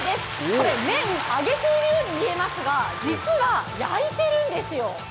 これ、麺、揚げているように見えますが実は焼いているんですよ。